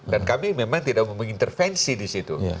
dan kami memang tidak mau mengintervensi disitu